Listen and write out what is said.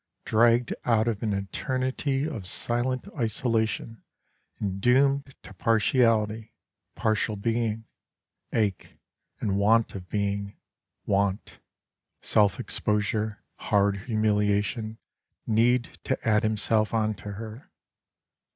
Dragged out of an eternity of silent isolation And doomed to partiality, partial being, Ache, and want of being, Want, Self exposure, hard humiliation, need to add himself on to her.